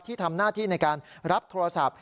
ที่ทำหน้าที่ในการรับโทรศัพท์